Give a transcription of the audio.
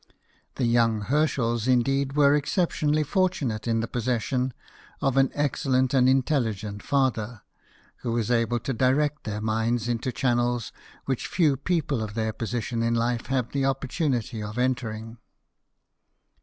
The young Herschels, indeed, were exceptionally fortunate in the possession of an excellent and intelligent father, who was able to direct their minds into channels which few people of their position in life have the opportunity of entering.